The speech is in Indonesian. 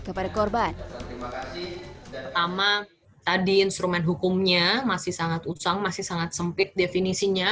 terkorban sama tadi instrumen hukumnya masih sangat usang masih sangat sempit definisinya